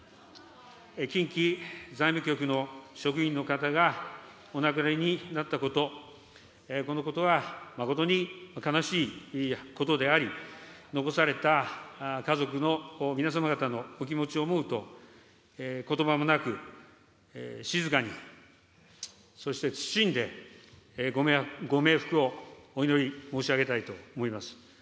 近畿財務局の職員の方がお亡くなりになったこと、このことは誠に悲しいことであり、残された家族の皆様方のお気持ちを思うと、ことばもなく、静かに、そしてつつしんでご冥福をお祈り申し上げたいと思います。